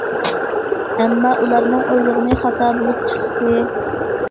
ئەمما ئۇلارنىڭ ئويلىغىنى خاتا بولۇپ چىقتى.